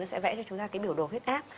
sẽ vẽ cho chúng ta cái biểu đồ huyết áp